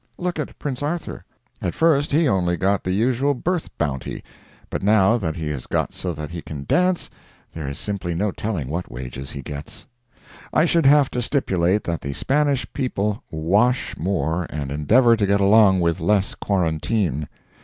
Look at Prince Arthur. At first he only got the usual birth bounty; but now that he has got so that he can dance, there is simply no telling what wages he gets. I should have to stipulate that the Spanish people wash more and endeavor to get along with less quarantine.